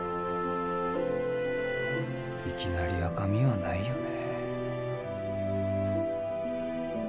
いきなり赤身はないよね